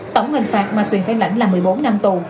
tổng hình phạt mà tuyền khai lãnh là một mươi bốn năm tù